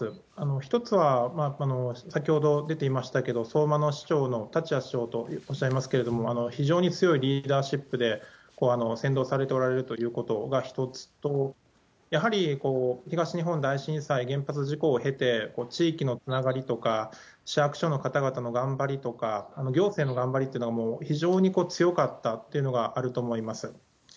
１つは先ほど出ていましたけど、相馬の市長の、たちや市長とおっしゃいますけれども、非常に強いリーダーシップで先導されておられるということが１つと、やはり東日本大震災、原発事故を経て、地域のつながりとか、市役所の方々の頑張りとか、行政の頑張りっていうのがもう非常に強かったっていうのがあると思います。